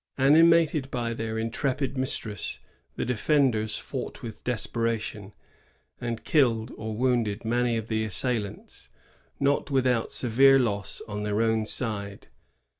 Animated by their intrepid mistress, the defenders fought with desperation, and killed or wounded many of the assailants, not without severe loss on their own side.